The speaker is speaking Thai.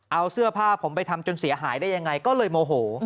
เอาเสื้อผ้าผมไปทำจนเสียหายได้ยังไงก็เลยโมโห